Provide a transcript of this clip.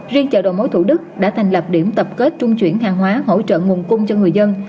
riêng chợ đầu mối thủ đức đã thành lập điểm tập kết trung chuyển hàng hóa hỗ trợ nguồn cung cho người dân